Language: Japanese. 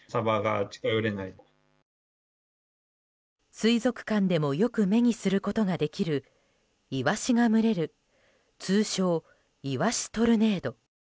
水族館でもよく目にすることができるイワシが群れる通称イワシトルネード。